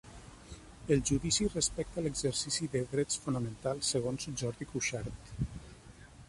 El judici respecta l'exercici de drets fonamentals segons Jordi Cuixart